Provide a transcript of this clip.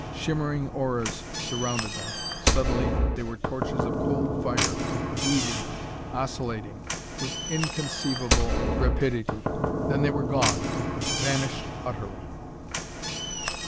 Shimmering auras surrounded them. Suddenly they were torches of cold fire, weaving, oscillating with inconceivable rapidity. Then they were gone; vanished utterly.